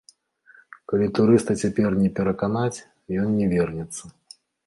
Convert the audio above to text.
Калі турыста цяпер не пераканаць, ён не вернецца.